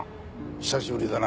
久しぶりだな。